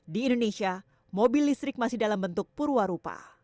di indonesia mobil listrik masih dalam bentuk purwarupa